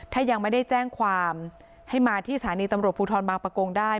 ถ้ายังไม่ได้แจ้งความให้มาที่สถานีตำรวจภูทรบางประกงได้